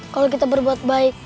kalau kita berbuat baik